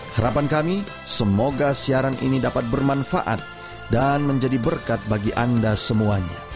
harapan kami semoga siaran ini dapat bermanfaat dan menjadi berkat bagi anda semuanya